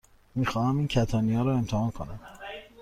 می خواهم این کتانی ها را امتحان کنم.